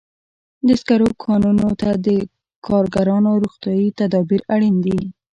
د سکرو کانونو ته د کارګرانو روغتیايي تدابیر اړین دي.